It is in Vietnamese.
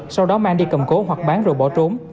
sau đó mang đi cầm cố hoặc bán rồi bỏ trốn